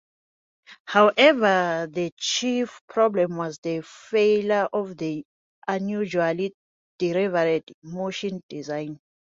However, the chief problem was the failure of the unusual derived motion design.